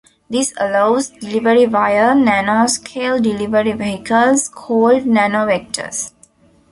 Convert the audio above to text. This allows delivery via nano-scale delivery vehicles called nanovectors.